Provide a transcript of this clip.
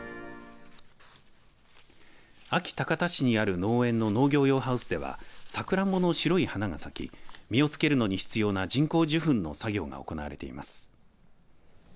安芸高田市にある農園の農業用ハウスではサクランボの白い花が咲き実をつけるのに必要な人工授粉の作業が行われています。